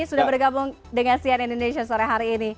sudah bergabung dengan cn indonesia sore hari ini